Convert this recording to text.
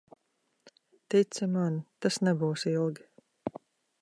Tici man, tas nebūs ilgi.